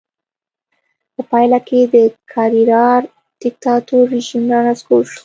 په پایله کې د کرېرارا دیکتاتور رژیم رانسکور شو.